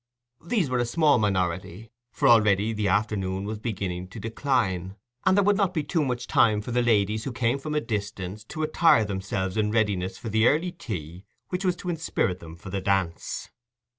These were a small minority; for already the afternoon was beginning to decline, and there would not be too much time for the ladies who came from a distance to attire themselves in readiness for the early tea which was to inspirit them for the dance.